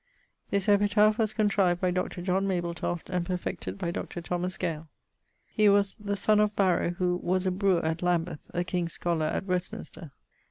This epitaph was contrived by Dr. John Mapletoft and perfected by Dr. Gale. He was the ... son of ... Barrow, was a brewer at Lambith; a King's Scholar at Westminster.